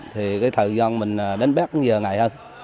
thì cái thời gian mình đến bét cũng nhiều ngày hơn